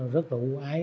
rất là ưu ái